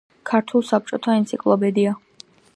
ქართულ საბჭოთა ენციკლობედია.